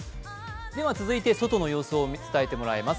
続いて外の様子を伝えてもらいます。